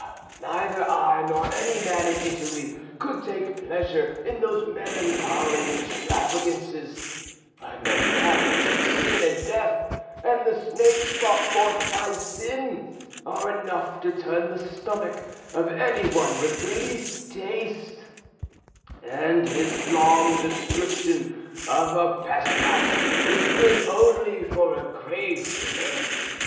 Neither I nor any man in Italy could take pleasure in those melancholy extravagances; and the marriage of Sin and Death, and the snakes brought forth by Sin, are enough to turn the stomach of any one with the least taste, [and his long description of a pest house is good only for a grave digger].